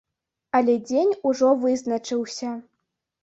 Але дзень ужо вызначыўся.